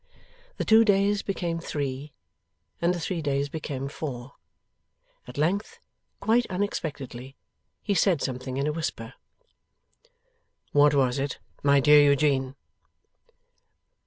The two days became three, and the three days became four. At length, quite unexpectedly, he said something in a whisper. 'What was it, my dear Eugene?